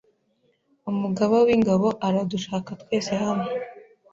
Umugaba w‟ingabo aradushaka twese hano